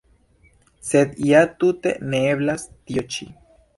Sed ja tute neeblas, tio ĉi.